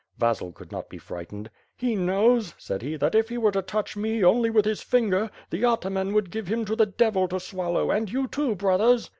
Vasil could not be frightened. "He knows," said he, "that if he were to touch me only with his finger, the ataman would give him to the devil to swallow, and you, too, brothers."